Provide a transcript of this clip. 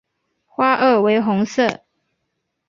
花萼为红色。